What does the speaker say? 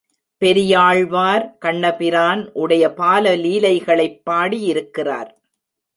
பெரியாழ்வார் கண்ணபிரான் உடைய பால லீலைகளைப் பாடியிருக்கிறார்.